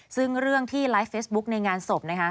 ซึ่งเรื่องที่ไลฟ์เฟซบุ๊กในงานศพนะคะ